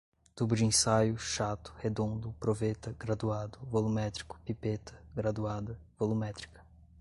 tubo de ensaio, chato, redondo, proveta, graduado, volumétrico, pipeta graduada, volumétrica